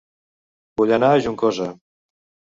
Vull anar a Juncosa